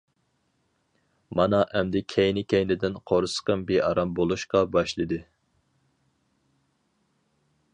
مانا ئەمدى كەينى-كەينىدىن قورسىقىم بىئارام بولۇشقا باشلىدى.